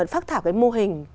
phát thảo cái mô hình